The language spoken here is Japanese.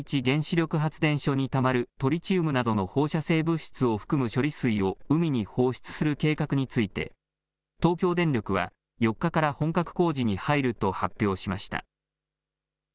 福島第一原子力発電所にたまるトリチウムなどの放射性物質を含む処理水を海に放出する計画について東京電力は４日から本格工事に入ると発表しました。